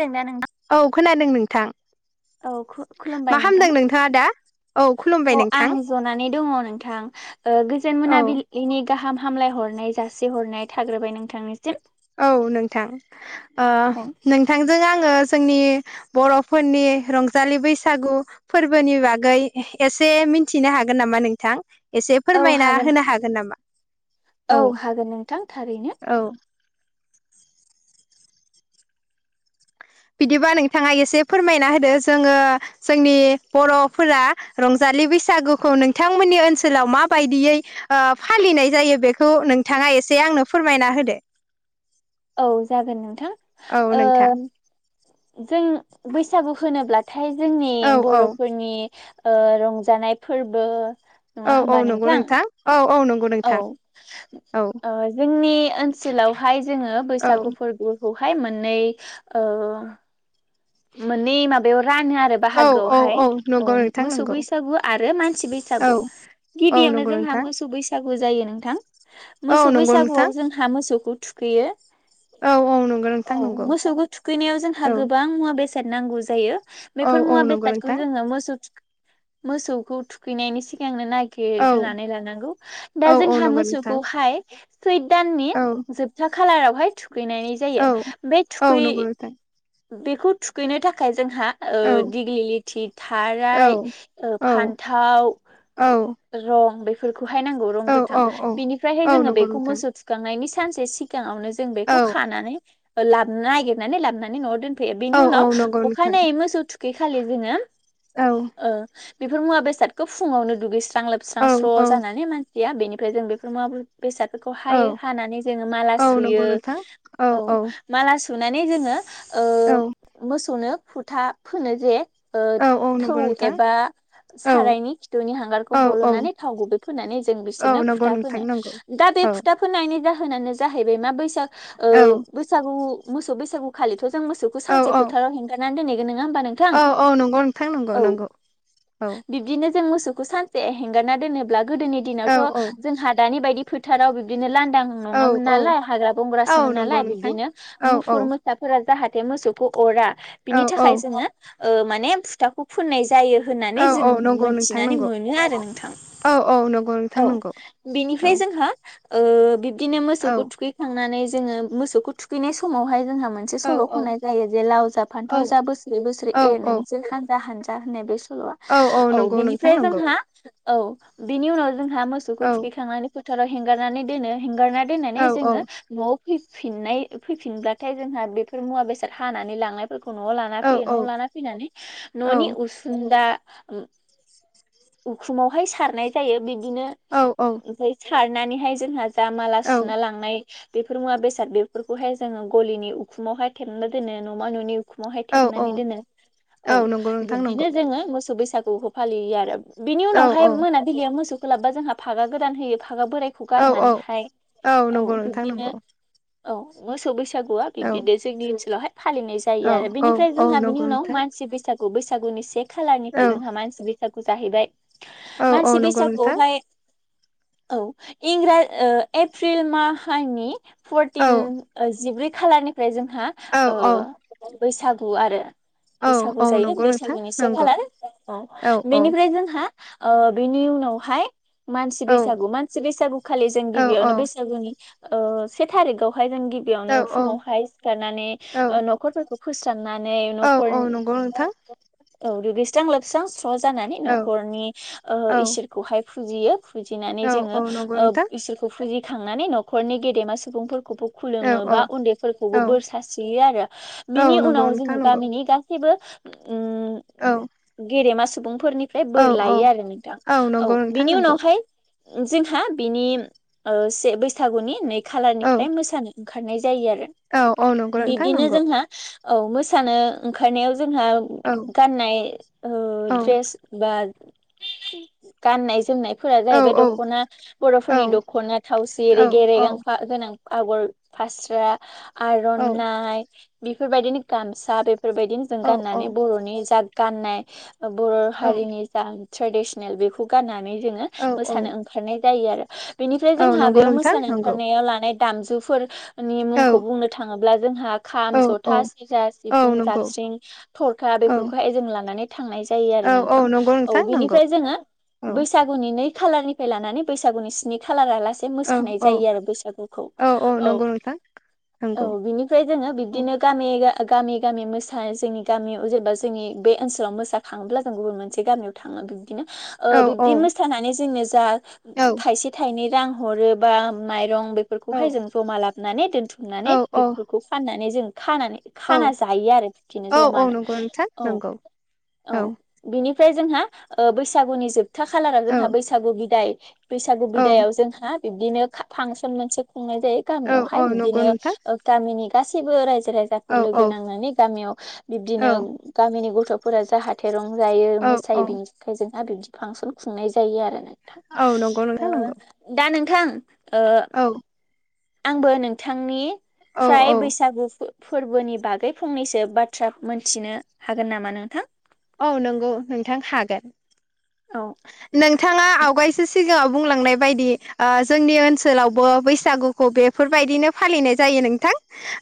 जानो [unintelligible] औ खोनादों नोंथां औ मा खु-खुलुमबाय नोंथां खालामदों नोंथाङा दा? औ खुलुमबाय । अ नोंथां आं जनानै दङ नोंथां ओ गोजोन औ मोनाबिलिनि गाहाम हामलाय हरनाय जासिहरनाय थाग्रोबाय नोंथांनिसिम। औ नोंथां ओ औ नोंथांजों आङो जोंनि बर'फोरनि रंजालि बैसागु फोरबोनि बागै एसे मिनथिनो हागोन नामा नोंथां? एसे फोरमायना होनो हागोन नामा औ हागोन नोंथां थारैनो औ बिदिबा नोंथाङा एसे फोरमायना होदो जोङो जोंनि बर'फोरा रंजा जालि बैसागुखौ नोंथांमोननि ओनसोलाव मााबायदियै ओ फालिनाय जायो बेखौ नोंथाङा एसे आंनो फोरमायना होदो औ जागोन नोंथां औ ओ नोंथां जों बैसागु होनोब्लाथाय जोंनि औ औ बर'फोरनि ओ रंजानाय फोरबो नङा औ औ होमबा नंगौ नोंथां औ औ नं औ ओ जोंनि ओनसोलावहाय जोङो औ बैसागु फोरबो खौहाय मोननै ओ मोननै हाबायाव रानो आरो औ औ बाहागोआवहाय औ नंगौ नोंथां मोसौ नंगौ बैसागु आरो मानसि औ बैसागु। औ गिबियावनो नंगौ जोंहा नोंथां मोसौ बैसा गु जायो नोंथां औ मोसौ नंगौ नोंथां बैसागुआव जोंहा मोसौखौ थुखैयो औ औ नंगौ औ नोंथां नंगौ मोसौखौ थुखैनायाव जोंहा औ गोबां मुवा बेसाद नांगौ जायो औ बेफोर औ मुवा नंगौ बेसादखौ नोंथां जोङो मोसौ थुखै मोसौखौ थुखैनायनि सिगांनो ना औ खेग्रोनानै लानांगौ दा औ औ जोंहा नंगौ नोंथां मोसौखौहाय सैथ दाननि औ जोबथा खालारावहाय थु खैनाय जायो औ बे औ थुखै नंगौ नोंथां बेखौ थुखैनो थाखाय जोंहा ओ औ दिग्लि लिथि औ थाराइ ओ औ फान्थाव औ रं बे खौहाय नांगौ रं गोथां औ औ बिनिफ्रायहाय औ जोङो नंगौ बेखौ नोंथां मोसौ थुखांनायनि सानसे सि गाङावनो जों औ बेखौ खानानै ओ लाब नागिरनानै लाबोनानै न'आव दोनफैयो औ बेनि औ उनाव नंगौ नोंथां अखानायै मोसौ थुखै खालि जोङो औ ओ बेफोर मुवा बेसादखौ फुङावनो दुगैस्रां लोबस्रां औ स्र' औ जानानै मानसिया बेनिफ्राय जों बेफोर मुवा बेसादफोरखौ औ हायो हानानै जोङो माला औ नंगौ सुयो नोंथां औ माला सुनानै जोङो ओ औ मोसौनो फुथा फोनो जे ओ औ औ थौ नंगौ नोंथां एबा औ सारायनि खिथुनि हांगारखौ औ औ हलनानै थाव गुबै फोनानै जों औ बिसोरनो नंगौ फुथा नोंथां फुनो नंगौ दा बे औ बे फुथा फोननायनायनि जा फोनानो जाहैबाय मा बैसाग औ ओ बैसागु मोसौ बैसागुखालिथ जों मोसौखौ औ से औ फोथाराव हेंगारना दोनहैयो नङा होनबा नोंथां औ औ नंगौ नोंथां नंगौ औ नंगौ औ बिब्दिनो जों मोसौ खौ सानसे हेंगारना दोनोब्ला गोदोनि औ दिनावथ औ जों दानि बायदि फोथाराव बिदिनो लान लांदां औ नङामोन औ नालाय हाग्रा औ बंग्रासोमोन नंगौ नालाय नोंथां बिबदिनो औ औ मुफुर मोसाफोरा जाहाथे मोसौ खौ अरा औ बिनि औ थाखाय जोङो ओ माने फुथाखौ फुननाय जायो औ होननानै जों औ नंगौ नोंथां मिथिनानै नंगौ मोनो आरो नोंथां। औ औ नंगौ औ नोंथां नंगौ औ बेनिफ्राय जोंहा ओ बिब्दिनो औ मोसौखौ थुखैखांनानै जोङो मोसौखौ थुखैनाय समावहाय जोंहा मोनसे औ सल' औ खननाय जायो जे लाव जा फान्थाव जा बोसोरै बोसोरै औ एर नोंसोर हानजा हानजा होननाय बे सल'वा। औ नंगौ नोंथां बेनिफ्राय नंगौ जोंहा औ बेनि उनाव जोंहा मोसौखौ औ थुखैखांनानै फोथाराव हेंगारनानै दोनो हेंगारना औ दोननानै औ जोङो न'आव फैफिनाय फैफिनब्लाथाय जोंहा बेफोर मुवा बेसाद हानानै लांनाय फोरखौ न'आव लाना औ फैयो औ न'आव लाना फैनानै औ न'नि उनसुदा उखुमावहाय सारनाय जायो बिदिनो औ औ ओमफाय सारनानैहाय जोंहा जा माला औ सुना लांनाय बेफोर मुवा बेसाद बेफोरखौहाय जोङो गलिनि उखुमावहाय थेबना दोनो न'मा न'नि उखुमावहाय औ थेबनानै दोनो। औ नंगौ नोंथां नंगौ बिब्दिनो जोङो मोसौ बैसागुखौ फालियो आरो बिनि औ उनावहाय मोनाबिलियाव मोसौखौ लाबबा जोंहा फागा गोदान होयो। फागा बोरायखौ औ औ गारनानैहाय औ नंगौ नोंथां नंगौ बिब्दिनो औ मोसौ बैसागुआ औ [unintelligible] ओनसोलावहाय फालिनाय जायो औ आरो औ बेनिफ्राय औ जोंहा बिनि नंगौ उनाव नोंथां मानसि बैसागु बैसागुनि से औ खालारनिफ्राय जोंहा मानसि बैसागु जाहैबाय। औ औ मानसि नंगौ नोंथां बैसागुआवहाय औ इंरा ओ एप्रिल माहायनि औ फरटिन ओ जिब्रै खालारनिफ्राय जोंहा औ ओ औ बैसागु आरो औ बैसागु औ जायो नंगौ नोंथां बैसागुनि से नंगौ खालार औ। बेनिफ्राय जोंहा ओ बिनि उनावहाय मानसि औ बैसागु। मानसि बैसागु खालि जों औ औ गिबियावनो बैसागुनि से ओ थारिगाव फ्राय जों औ गिबियावनो फुङावहाय सिखारनानै औ ओ न'खरफोरखौ फोरस्रां नानै औ न'खर औ नंगौ नोंथां औ दुगैस्रां लोबस्रां स्र जानानै औ न'खरनि ओ औ इसोरखौहाय फुजियो। फुजिनानै औ जोङो औ नंगौ ओ नोंथां इसोरखौ फुजिखांनानै न'खरनि गेदेमा सुबुंफोर खौबो औ खुलुमो औ बा उन्दैफोरखौबो औ बोर सास्रियो आरो औ बिनि नंगौ उनाव नोंथां जोङो नंगौ गामिनि गा सैबो उम औ गेदेमा सुबुंफोरनि फ्राय औ बोर औ लायो आरो नोंथां। नंगौ औ। नोंथां बिनि नंगौ उनावहाय जोंहा बिनि ओ से बैसागुनि नै औ खालारनिफ्राय मोसानो ओंखारनाय जायो आरो औ औ नंगौ नोंथां बिब्दिनो नंगौ जोंहा औ मोसानो ओंखारनायाव जोंहा औ गाननाय ओ औ द्रेस बा गाननाय जोमनाय फोरा औ जाहैबाय औ दख'ना औ बर'फोरनि दख'ना थावसि औ रेगे औ रेगां फा गोनां आगर फास्रा औ आर'नाइ बेफोरबायदिनो गामसा बे फोरबायदिनो जों गाननानै बर'नि जा गाननाय बर' हारिनि जा ट्रेडिसनेल बेखौ गाननानै जोङो औ औ मोसानो ओंखारनाय जायो आरो बेनिफ्राय औ जोंहा नंगौ बेयाव नोंथां मोसानो नंगौ ओंखारनायाव लानाय दामजुफोरनि औ मुंखौ बुंनो थाङोब्ला जोंहा खाम, औ औ जथा सेरजा, औ सिफुं, नंगौ जाबस्रिं, थरखा औ बेफोरखौहाय जों लानानै थांनाय जायो आ औ रो औ नोंथां। नंगौ औ नोंथां नंगौ बेनिफ्राय जोङो औ बैसागुनि नै खालारनिफ्राय लानानै बैसागुनि स्नि खालाराला से औ मोसानाय औ जायो आरो बैसागुखौ औ। औ नंगौ बिनिफ्राय जोङो औ बिबदिनो गामि गा गामि गामि मोसा जोंनि गामियाव जेनेबा जोंनि बे ओनसोलाव मोसाखाङोब्ला जों गुबुन मोनसे गामियाव थाङो बिब दिनो औ ओ औ बिबदि मोसानानै जोंनो जा औ थाइसे थाइनै रां हरो बा माइरं औ बेफोरखौहाय जों जमा लाबनानै औ दोनथुमनानै बेफोरखौ फान नानै जों खानानै औ खाना जायो आरो बिदिनो औ औ जमानो नंगौ नोंथां औ। नंगौ औ बिनिफ्राय जोंहा ओ बैसागुनि जोबथा खालारा औ जोंहा बैसागु बिदाय बैसागु औ बिदायाव जोंहा बिब्दिनो फांसन मोनसे खुंनाय जायो औ गामियावहाय औ नंगौ बिब्दिनो नोंथां गामिनि गासैबो रायजो राजाफोर औ औ लोगो नांनानै गामियाव बिब्दिनो औ गामिनि गथ' गथ'फोरा जाहाथे रंजायो औ मोसायो बिनि थाखाय जोंहा बिबदि फांसन खुंनाय जायो आरो ना। औ नंगौ नोंथां नंगौ दा नों थां ओ औ आंबो नोंथांनि औ फ्राय औ बैसागु फो फोरबोनि बागै फंनैसो बाथ्रा मोनथिनो हागोन नामा नोंथां? औ नंगौ नोंथां हागोन। औ नोंथाङा आवगायसो सिगाङाव बुंलांनाय बायदि ओ जोंनि ओनसोलावबो बैसागुखौ बेफोरबायदिनो फालिनाय जायो नोंथां।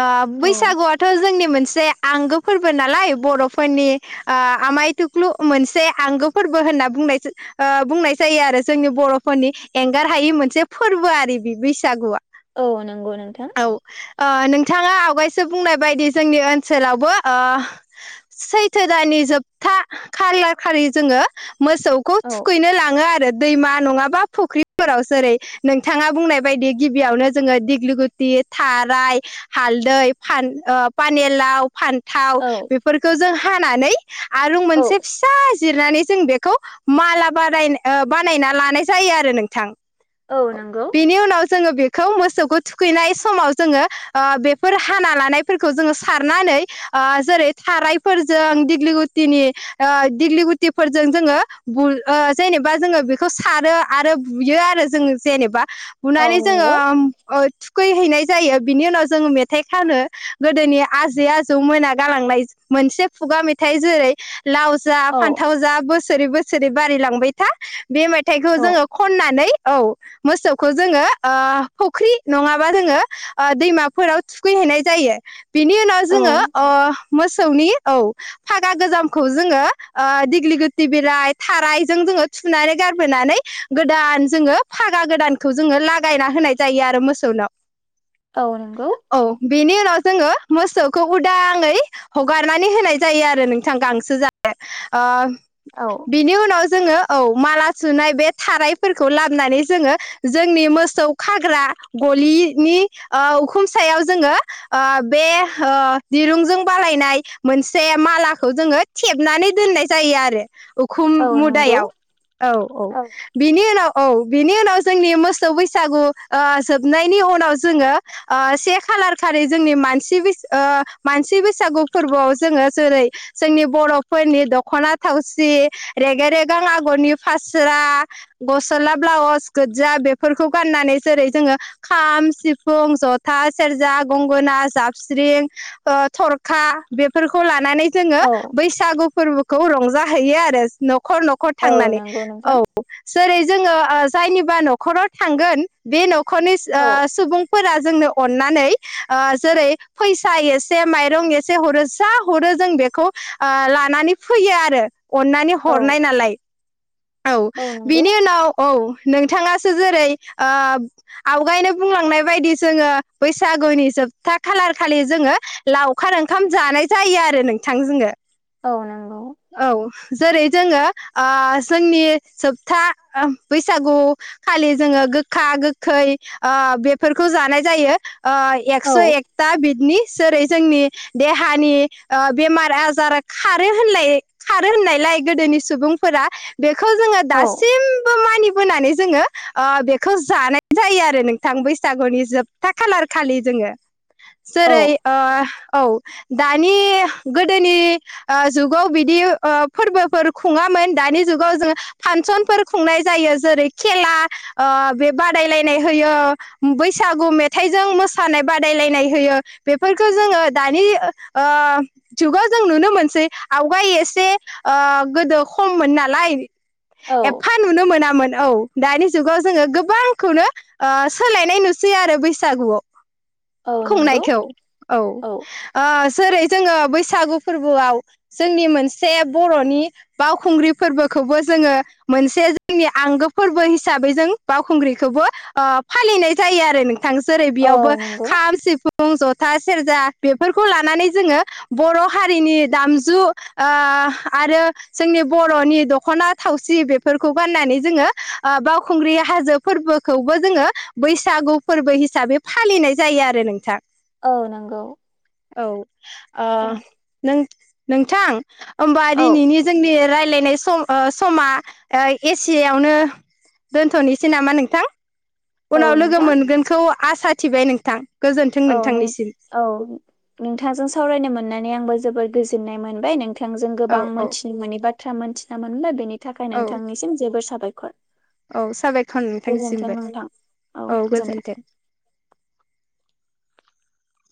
ओ औ बैसागुआथ' जोंनि मोनसे मोनसे आंगो फोरबो नालाय बर'फोरनि ओ आमाय थुख्लु मोनसे आंगो फोरबो होनना बुंनाय ओ बुंनाय जायो आरो जोंनि बरफोरनि एंगार हायि मोनसे फोरबो आरि बे बैसागुआ। औ नंगौ नोंथां। औ ओ नोंथाङा आवगायसो बुंनाय बायदि जोंनि ओनसोलावबो सैथो दानि जोबथा खालार खालि जोङो मोसौखौ औ थुखैनो लाङो आरो दैमा नङाबा फुख्रिफोराव जेरै नोंथाङा बुंनाय बायदि गिबियावनो जोङो दिग्लिगुथि, थाराय, हालदै, पानि लाव, फान थाव औ बेफोरखौ जों हानानै आरुं औ मोनसे फिसा जिरनानै जों बेखौ माला बानाय बानायना लानाय जायो आरो नोंथां। औ नंगौ बेनि उनाव जोङो बेखौ मोसौखौ थुखैनाय समाव जोङो ओ बेफोर हाना लानायफोरखौ जोङो सारनानै जेरै ओ थारायफोरजों दिग्लिगुथिनि दिग्लि गुटिफोरजों जोङो जेनेबा जोङो बेखौ सारो आरो बुयो आरो जों जेनेबा औ बुनानै जोङो नंगौ ओ थुखै हैैनाय जायो। बिनि उनाव जोङो मेथाइ खानो गोदोनि आजै आजौ मोना गालांनाय मोनसे खुगा मेथाइ जेरै लाव जा औ फान्थाव जा बोसोरै बोसोरै बारायलांबाय था बे मेथाइखौ औ जोङो खननानै औ मोसौखौ जोङो ओ फुख्रि नङाबा जोङो दैमाफोराव थुखै नाय जायो ।बिनि उनाव औ जोङो मोसौनि औ फागा गोजामखौ जोङो दिग्लिगुथि बिलाइ, थारायजों जोङो थुनानै गारबोनानै गोदान जोङो फागा गोदानखौ जोङो लागायना होयो। होननाय जायो आरो मोसौनाव। औ नंगौ। औ बेनि उनाव जोङो मोसौखौ उदाङै हगारनानै होनाय जायो आरो नोंथां गांसो जानो। ओ औ बिनि उनाव जोङो औ माला सुनाय बे थाराय फोरखौ लाबोनानै जोङो जोंनि मोसौ खाग्रा गलि नि ओ उखुम ओ सायाव जोङो ओ बे ओ दिरुंजों बानायनाय मोनसे मालाखौ जोङो थेबनानै दोननाय जायो आरो खुम औ नंगौ मुदायाव। औ औ बिनि उनाव औ बिनि उनाव जोंनि मोसौ ओ बैसागु ओ जोबनायनि उनाव जोङो ओ से खालार खालि जोंनि मानसि बैसागु ओ मानसि बैसागु फोरबोआव जोङो जेरै जोंनि बर' फोरनि दख'ना थावसि रेगे रेगां आगरनि फास्रा गस्ला ब्लाउस गोजा बेफोरखौ गान नानै जेरै जोङो खाम सिफुं, जथा, सेरजा, गंगोना, जाबस्रिं ओ थरखा बेफोरखौ लानानै जोङो औ बैसागु फोरबोखौ रंजाहैयो आरो न' खर न'खर औ थांनानै नंगौ नोंथां औ जेरै जोङो जायनिबा न'खराव थांगोन बे न'खरनि ओ औ सुबुंफोरा जोंनो अनानै ओ जेरै फैसा एसे माइरं एसे होरो जा हरो जों बेखौ ओ लानानै फैयो आरो अननानै औ हरनाय नालाय औ बिनि उनाव औ नोंथाङासो जेरै ओ आवगायनो बुंलांनाय बायदि जोंङो बैसागुनि जो बथा खालार खालि जोंङो लावखार ओंखाम जानाय जायो आरो नोंथां जोंङो औ नंगौ जेरै जोंङो ओ जोंनि जोबथा बैसागु खालि जोंङो गोखा गोखै ओ बेफोरखौ जानाय जायो ओ औ एक्स एकथा बिदनि जेरै जोंनि देहानि ओ बेमार आजार खारो होन खार होननाय गोदोनि सुबुंफोरा बेखौ जोंङो औ दासिमबो मानि बोनै जोंङो ओ बेखौ जानाय जायो आरो नोंथां बैसागुनि जोबथा खालार खालि जों जोंङो औ जेरै ओ औ दानि गोदोनि ओ जुगाव बिदि ओ फोरबोफोर खुंङा मोन दानि जुगाव जों फांसन फोर खुंनाय जायो जेरै खेला ओ बे बादायलायनाय होयो बैसागु मेथाइजों मोसानाय बादायलायनाय होयो बेफोरखौ जोंङो दानि ओ जुगाव जों नुनो मोनसै आवगाय ओ गोदो खममोन ना लाय औ एफा नुनो मोनामोन औ दानि जुगाव जोंङो गोबांखौनो ओ सोलायनाय नुसै आरो बैसागुआव औ नंगौ खुंनायखौ औ ओ जेरै जोंङो बैसागु फोरबोआव जोंनि मोनसे बरनि बावखुंग्रि फोरबोखौबो जोंङो मोनसे जोंनि आंगो फोरबो हिसाबै जों बावखुंग्रिखौबो ओ फालिनाय जायो आरो नोंथां जेरै औ बेयाव नंगौ खाम सिफुं फुं जथा सेरजा बेफोरखौ लानानै जोंङो बर' हारिनि दामजु ओ ओ आरो जोंनि ब र'नि दख'ना थावसि बेफोरखौ गाननानै जोंङो ओ बावखुंग्रि हाजो फोरबोखौबो जों जोंङो बैसागु फोरबो हिसाबै फालिनाय जायो आरो नोंथां औ नंगौ औ ओ नों नोंथां होमबा औ दिनैनि जोंनि [unintelligible] समा एसिययावनो दोनथनिसै नामा नोंथां उनाव औ लोगो नोंथां मोनगोनखौ आसा थिबाय नोंथां गोजोन्थों औ नों नोंथांनिसिम औ नोंथांजों सावरायनो मोननानै आंबो जोबोर गोजोननाय मोनबाय नोंथांजों औ गोबां औ मोनथिनो मोनि बाथ्रा मोनथिना मोनबाय बेनि थाखाय औ नोंथांनिसिम जोबोर साबायखर औ साबायखर गोजोनथों नोंथांसिमबो नोंथां औ गोजोनथों [inaudible]